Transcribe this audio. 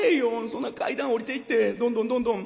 そんな階段下りていってどんどんどんどん。